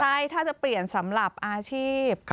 ใช่ถ้าจะเปลี่ยนสำหรับอาชีพ